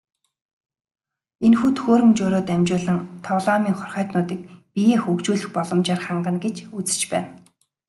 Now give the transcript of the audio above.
Энэхүү төхөөрөмжөөрөө дамжуулан тоглоомын хорхойтнуудыг биеэ хөгжүүлэх боломжоор хангана гэж үзэж байна.